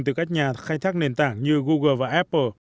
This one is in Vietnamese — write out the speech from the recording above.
từ các nhà khai thác nền tảng như google và apple